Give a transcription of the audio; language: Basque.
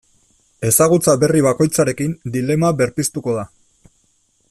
Ezagutza berri bakoitzarekin dilema berpiztuko da.